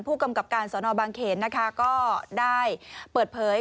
ผู้กำกับการสนบางเขนนะคะก็ได้เปิดเผย